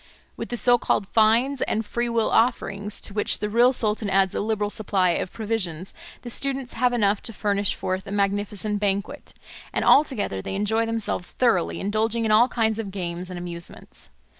With the so called fines and free will offerings, to which the real sultan adds a liberal supply of provisions, the students have enough to furnish forth a magnificent banquet; and altogether they enjoy themselves thoroughly, indulging in all kinds of games and amusements.